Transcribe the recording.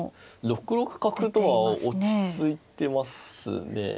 ６六角とは落ち着いてますね。